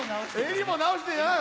襟も直してじゃない！